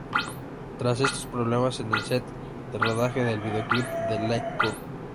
Tras esto, problemas en el "set" de rodaje del videoclip de "Like Wow!